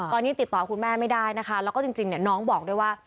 ตอนนี้ติดต่อคุณแม่ไม่ได้นะคะแล้วก็จริงน้องบอกด้วยว่า